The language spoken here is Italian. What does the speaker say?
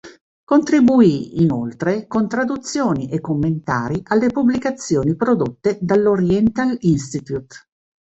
Contribuì inoltre con traduzioni e commentari alle pubblicazioni prodotte dall'Oriental Institute.